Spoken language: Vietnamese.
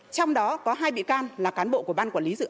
trong đó có hai bị can là cán bộ của bà